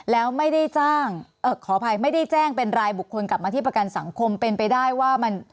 แล้วไม่ได้จ้างขออภัยไม่ได้แจ้งเป็นรายบุคคลกลับมาที่ประกันสังคมเป็นไปได้ว่ามัน